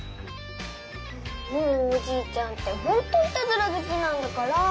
もうおじいちゃんってほんといたずらずきなんだから。